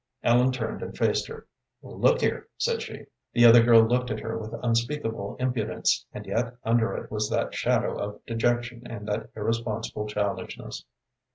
Ellen turned and faced her. "Look here," said she. The other girl looked at her with unspeakable impudence, and yet under it was that shadow of dejection and that irresponsible childishness.